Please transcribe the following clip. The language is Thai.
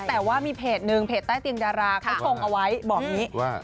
แต่ว่ามีเพจหนึ่งเพจใต้เตียงดาราที่ชงเอาไว้บอกว่า